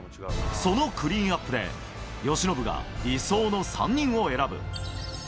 そのクリーンアップで由伸が理想の３人を選ぶ。